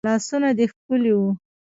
لاسونه دي ښکلي وه